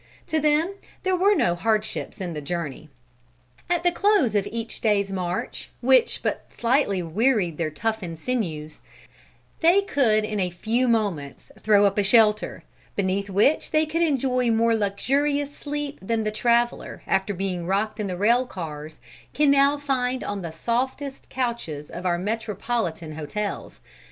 To them there were no hardships in the journey. At the close of each day's march, which but slightly wearied their toughened sinews, they could in a few moments throw up a shelter, beneath which they would enjoy more luxurious sleep than the traveler, after being rocked in the rail cars, can now find on the softest couches of our metropolitan hotels.